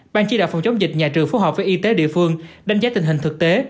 ban chỉ đạo phòng chống dịch nhà trường phù hợp với y tế địa phương đánh giá tình hình thực tế